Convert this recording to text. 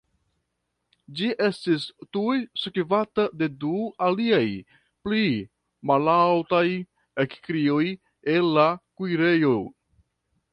Ĝi estis tuj sekvata de du aliaj pli mallaŭtaj ekkrioj el la kuirejo.